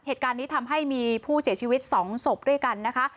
เหตุการณ์นี้ทำให้มีผู้เสียชีวิต๒ศพด้วยกันนะคะ